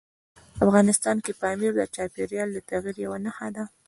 افغانستان کې پامیر د چاپېریال د تغیر یوه نښه ده.